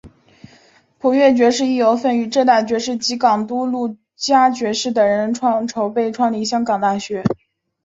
普乐爵士亦有份与遮打爵士及港督卢嘉爵士等人筹备创立香港大学。